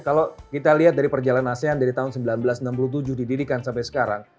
kalau kita lihat dari perjalanan asean dari tahun seribu sembilan ratus enam puluh tujuh didirikan sampai sekarang